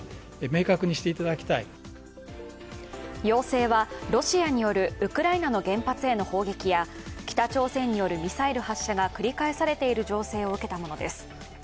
要請はロシアによるウクライナの原発への砲撃や北朝鮮によるミサイル発射が繰り返されている情勢を受けたものです。